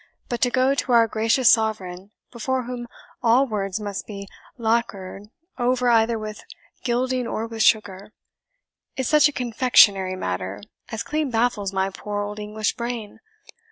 But to go to our gracious Sovereign, before whom all words must be lacquered over either with gilding or with sugar, is such a confectionary matter as clean baffles my poor old English brain.